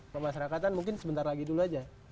pemasrakatan mungkin sebentar lagi dulu saja